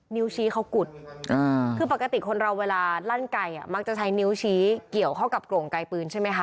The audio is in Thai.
นิ้วชี้เขากุดคือปกติคนเราเวลาลั่นไกลมักจะใช้นิ้วชี้เกี่ยวเข้ากับโกร่งไกลปืนใช่ไหมคะ